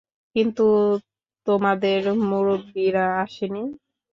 কিন্তু তোমাদের মুরুব্বিরা আসেনি?